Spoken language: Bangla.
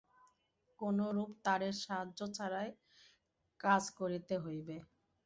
কোনরূপ তারের সাহায্য ছাড়াই কাজ করিতে হইবে।